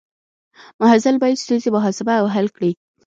محصل باید ستونزې محاسبه او حل کړي.